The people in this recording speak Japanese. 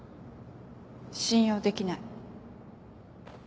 信用できない。